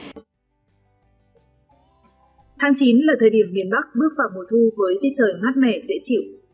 tháng chín là thời điểm miền bắc bước vào mùa thu với tiết trời mát mẻ dễ chịu